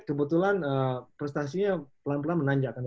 kebetulan prestasinya pelan pelan menanjak